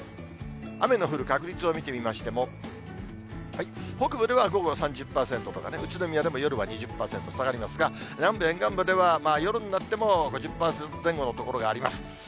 雨の降る確率を見てみましても、北部では午後、３０％とか、宇都宮でも夜は２０％、下がりますが、南部沿岸部では夜になっても５０％前後の所があります。